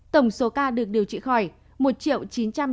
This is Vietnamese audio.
tổng số ca được điều trị khỏi một chín trăm sáu mươi hai năm trăm chín mươi bảy ca